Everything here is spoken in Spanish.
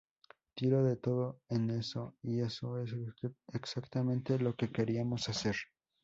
Tiró de todo en eso, y eso es exactamente lo que queríamos hacer.